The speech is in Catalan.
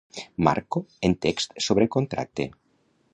Marco en text sobre contracte.